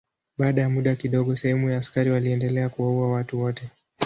Baada ya muda kidogo sehemu ya askari waliendelea kuwaua watu wote.